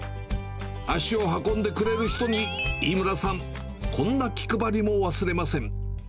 足を運んでくれる人に、飯村さん、こんな気配りも忘れません。